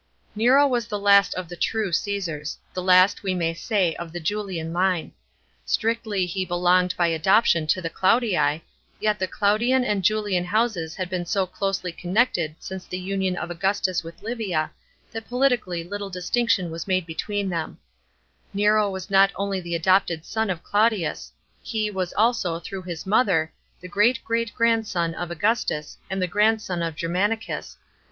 Nero was the last of th« true Caesars — the last, we may say, ot the Julian line. Strictly he belonged^ by adoption, to the Claudii, yet the Claudian and Julian houses had been so closely connected since the union of Augustus with Livia, that politically little dis tinction was made between them Nero was not only the adopted son of Claudius ; he, was also, through his mother, the great great grandson of Augustus, and *he grandson of Germanicus, who 13* 298 THE PKINC1PATE OF JMEKO. CHAP. xvii.